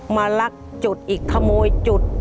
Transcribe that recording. มาลักจุดอีกขโมยจุด